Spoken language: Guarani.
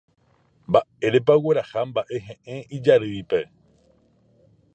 Mba'érepa ogueraha mba'ehe'ẽ ijarýipe.